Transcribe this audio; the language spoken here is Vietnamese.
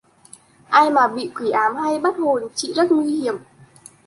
Ai mà bị quỷ ám hay bắt hồn chị rất nguy hiểm